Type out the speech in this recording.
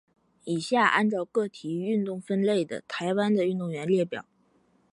以下依照各体育运动分类的台湾的运动员列表。